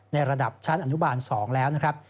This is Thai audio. ระดับชั้นอนุบาล๒แล้วนะครับ